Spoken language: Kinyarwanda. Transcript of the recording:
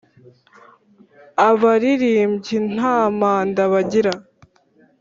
Abarirbyi Nta manda bagira.